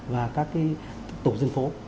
và các tổ dân phố